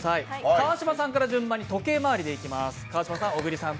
川島さんから順番に時計回りでいきます。